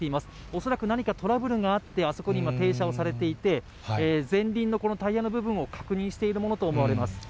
恐らく何かトラブルがあって、あそこに今停車をされていて、前輪のタイヤの部分を確認しているものと思われます。